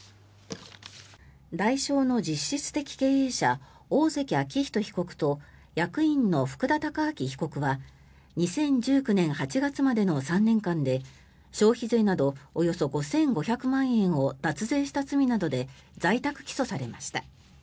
ダイショウの実質的経営者大関章人被告と役員の福田孝明被告は２０１９年８月までの３年間で消費税などおよそ５５００万円を脱税した罪などで在宅起訴されました。